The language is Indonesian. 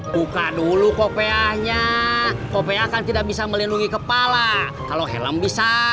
buka dulu kopiahnya kopiah kan tidak bisa melindungi kepala kalau helm bisa